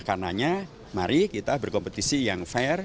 karenanya mari kita berkompetisi yang fair